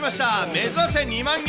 目指せ２万円！